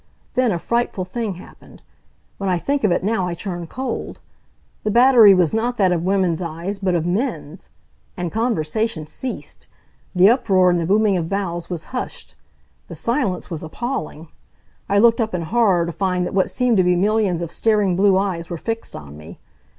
Then a frightful thing happened. When I think of it now I turn cold. The battery was not that of women's eyes, but of men's. And conversation ceased! The uproar and the booming of vowels was hushed. The silence was appalling. I looked up in horror to find that what seemed to be millions of staring blue eyes were fixed on me.